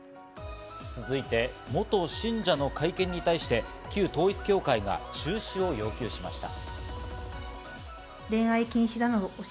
続いて元信者の会見に対して、旧統一教会が中止を要求しました。